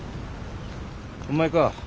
お前か。